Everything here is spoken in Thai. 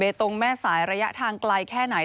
ตรงแม่สายระยะทางไกลแค่ไหน